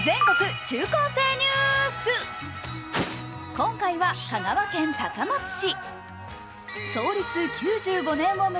今回は香川県高松市。